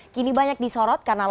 kini banyak disorot karena lolo